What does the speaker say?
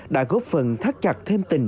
đã góp phần thắt chặt thêm tình